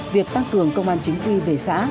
việc tăng cường công an chính quy về xã